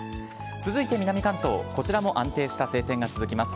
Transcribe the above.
続いて南関東、こちらも安定した晴天が続きます。